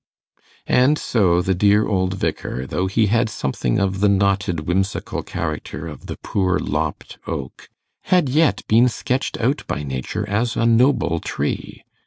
And so the dear old Vicar, though he had something of the knotted whimsical character of the poor lopped oak, had yet been sketched out by nature as a noble tree.